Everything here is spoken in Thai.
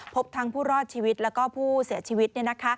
พบทั้งผู้รอดชีวิตแล้วก็ผู้เสียชีวิต